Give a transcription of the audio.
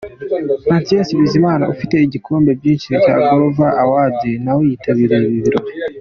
Patient Bizimana ufite ibikombe byinshi bya Groove Awards nawe yitabiriye ibi birori.